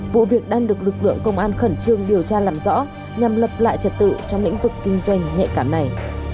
vụ việc đang được lực lượng công an khẩn trương điều tra làm rõ nhằm lập lại trật tự trong lĩnh vực kinh doanh nhạy cảm này